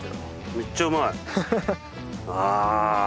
めっちゃうまい。